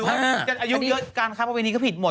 อายุเยอะกันครับอันนี้ก็ผิดหมด